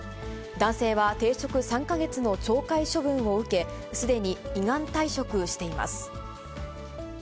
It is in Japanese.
男性は停職３か月の懲戒処分を受け、すでに依願退職しています。